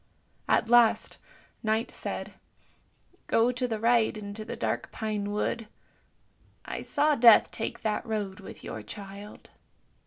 At last Night said, " Go to the right, into the dark pine wood. I saw Death take that road with your child."